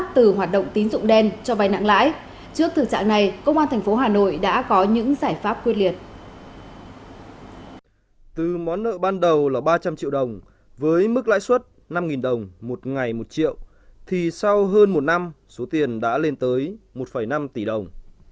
từ món nợ ban đầu là ba trăm linh triệu đồng với mức lãi suất năm đồng một ngày một triệu thì sau hơn một năm số tiền đã lên tới một năm tỷ đồng